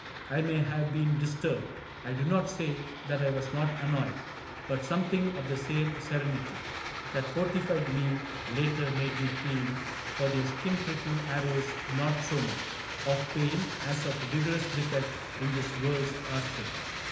I may have been disturbed, I do not say that I was not annoyed, But something of the same serenity That fortified me later made me feel For their skin pricking arrows not so much Of pain as of a vigorous defect In this world's archery.